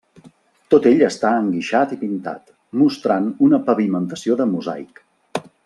Tot ell està enguixat i pintat, mostrant una pavimentació de mosaic.